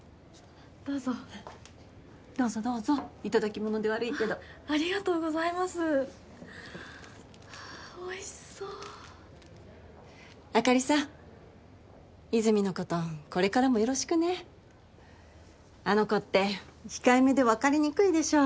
どうぞどうぞどうぞ頂き物で悪いけどありがとうございますあおいしそうあかりさん和泉のことこれからもよろしくねあの子って控えめで分かりにくいでしょ？